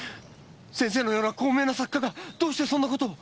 先生のような高名な作家がどうしてそんな事を？